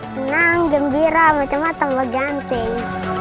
senang gembira macem macem ganteng